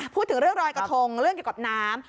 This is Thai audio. พูดถึงเรื่องรอยกระทงเรื่องเกี่ยวกับน้ำ